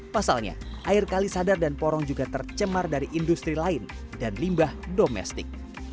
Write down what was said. pasalnya air kali sadar dan porong juga tercemar dari industri lain dan limbah domestik